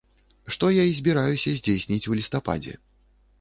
Што я і збіраюся здзейсніць у лістападзе.